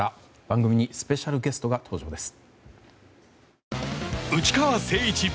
番組にスペシャルゲストが登場です。